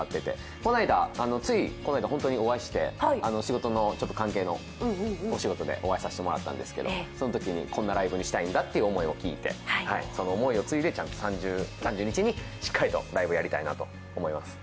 この間、ついお会いして、仕事の関係でお会いしたんですけどそのときにこんなライブにしたいんだという思いを聞いて、その思いを継いで３０日にしっかりとライブやりたいなと思います。